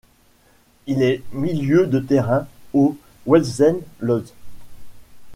Il est milieu de terrain au Widzew Łódź.